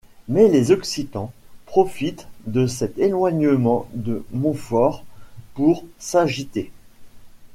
Mais les Occitans profitent de cet éloignement de Montfort pour s’agiter.